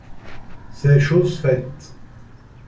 C’est chose faite.